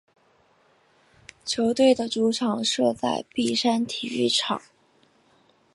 球队的主场设在碧山体育场。